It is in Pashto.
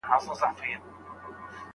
ایا د ښه ږغ په اورېدو زړه او دماغ ارامیږي؟